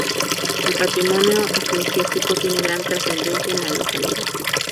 El patrimonio eclesiástico tiene gran trascendencia en la localidad.